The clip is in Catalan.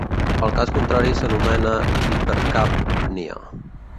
El cas contrari s'anomena hipercàpnia.